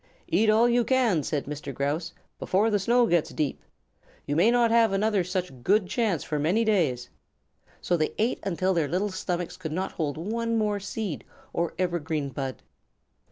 "Eat all you can," said Mr. Grouse, "before the snow gets deep. You may not have another such good chance for many days." So they ate until their little stomachs would not hold one more seed or evergreen bud.